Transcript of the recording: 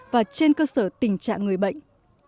và trên cơ sở tình trạng người bệnh